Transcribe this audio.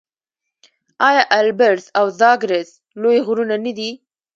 آیا البرز او زاگرس لوی غرونه نه دي؟